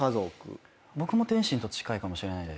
僕も天心と近いかもしれないです。